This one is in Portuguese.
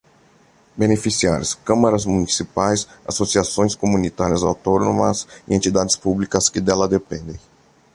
Beneficiários: câmaras municipais, associações comunitárias autónomas e entidades públicas que dela dependem.